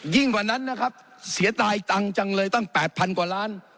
กว่านั้นนะครับเสียตายตังค์จังเลยตั้ง๘๐๐กว่าล้าน